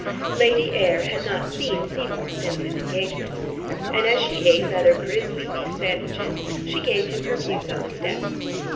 Lady Ayr had not seen Seymour since his engagement, and, as she ate rather grisly beef sandwiches, she gave him her views on the step.